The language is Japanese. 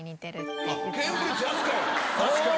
確かに。